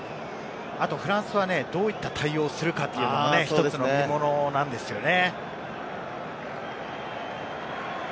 あとフランスはどういった対応するかというのも１つの見ものなんですよね。